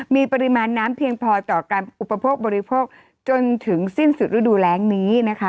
มีปริมาณน้ำเพียงพอต่อการอุปโภคบริโภคจนถึงสิ้นสุดฤดูแรงนี้นะคะ